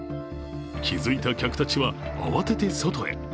気づいた客たちは、慌てて外へ。